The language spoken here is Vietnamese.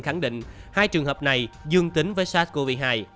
khẳng định hai trường hợp này dương tính với sars cov hai